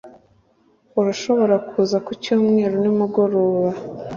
Urashobora kuza ku cyumweru nimugoroba